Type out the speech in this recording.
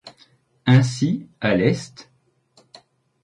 Ainsi, à l'est.